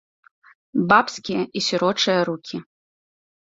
Бабскія і сірочыя рукі!